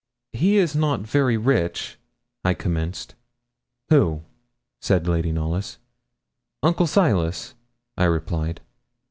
'He is not very rich,' I commenced. 'Who?' said Lady Knollys. 'Uncle Silas,' I replied.